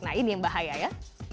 nah ini yang bahaya ya